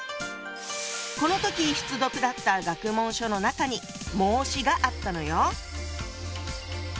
この時必読だった学問書の中に「孟子」があったのよ！